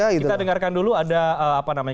kita dengarkan dulu ada apa namanya